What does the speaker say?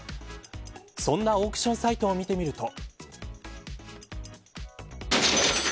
そんなオークションサイトを見てみると。